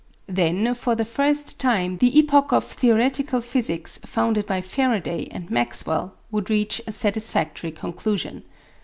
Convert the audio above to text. Then for the first time the epoch of theoretical physics founded by Faraday and Maxwell would reach a satisfactory conclusion.